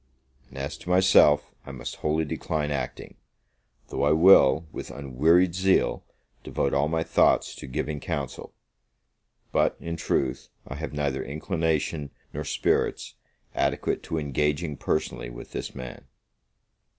And as to myself, I must wholly decline acting; though I will, with unwearied zeal, devote all my thoughts to giving counsel: but, in truth, I have neither inclination nor spirits adequate to engaging personally with this man.